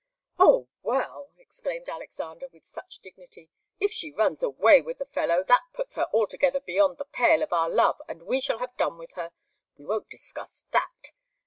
"Oh, well!" exclaimed Alexander, with much dignity. "If she runs away with the fellow, that puts her altogether beyond the pale of our love, and we shall have done with her. We won't discuss that.